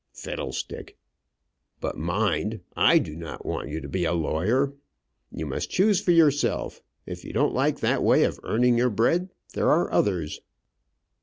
"Fiddlestick! But mind, I do not want you to be a lawyer. You must choose for yourself. If you don't like that way of earning your bread, there are others."